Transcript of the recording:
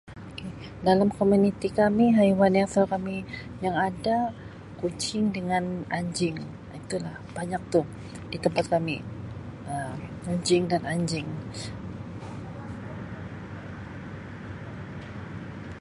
Okay, dalam komuniti kami haiwan yang selalu kami yang ada kucing dengan anjing. Um Itulah, banyak tu di tempat kami Um anjing dan anjing.